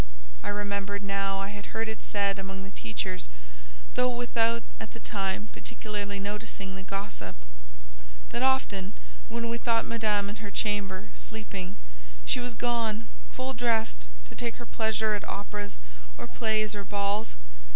I remembered now I had heard it said among the teachers—though without at the time particularly noticing the gossip—that often, when we thought Madame in her chamber, sleeping, she was gone, full dressed, to take her pleasure at operas, or plays, or balls.